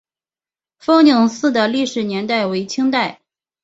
丰宁寺的历史年代为清代。